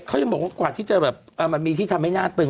เขายังบอกที่จะมีที่ทำให้หน้าเต็ม